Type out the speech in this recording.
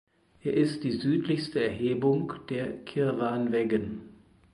Er ist die südlichste Erhebung der Kirwanveggen.